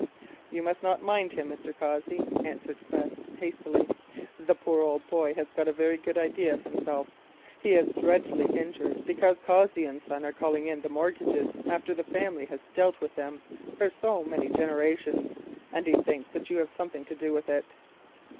"You must not mind him, Mr. Cossey," answered Quest hastily. "The poor old boy has a very good idea of himself—he is dreadfully injured because Cossey and Son are calling in the mortgages after the family has dealt with them for so many generations; and he thinks that you have something to do with it."